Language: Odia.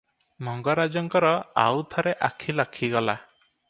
ମଙ୍ଗରାଜଙ୍କର ଆଉ ଥରେ ଆଖି ଲାଗିଗଲା ।